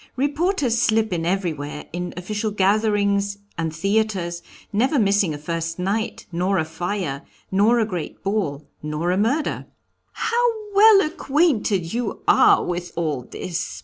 Reporters slip in everywhere, in official gatherings, and theatres, never missing a first night, nor a fire, nor a great ball, nor a murder." "How well acquainted you are with all this!"